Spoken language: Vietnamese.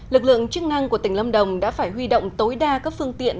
lực lượng chức năng của tỉnh lâm đồng đã phải huy động tối đa các phương tiện